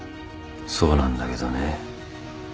そうなんだけどね。